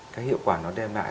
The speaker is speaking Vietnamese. cái hiệu quả nó đem lại